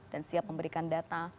dan siap memberikan data